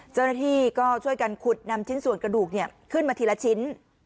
เจ้าหน้าที่ก็ช่วยกันขุดนำชิ้นส่วนกระดูกขึ้นมาทีละชิ้น